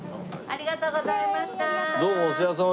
ありがとうございましたどうも。